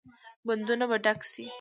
بندونه به ډک شي؟